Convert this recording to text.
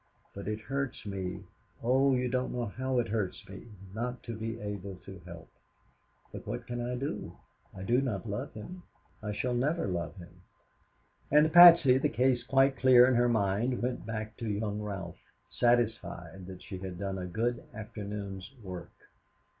But it hurts me, oh, you don't know how it hurts me, not to be able to help. But what can I do? I do not love him. I shall never love him." And Patsy, the case quite clear in her mind, went back to Young Ralph, satisfied that she had done a good afternoon's work.